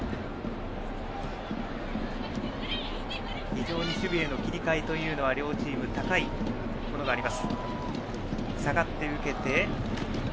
非常に守備への切り替えは両チーム、高いものがあります。